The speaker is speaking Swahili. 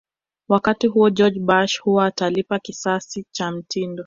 wakati huo George Bush kuwa atalipa kisasi kwa mtindo